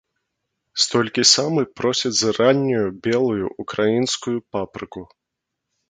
Столькі самы просяць за раннюю, белую ўкраінскую папрыку.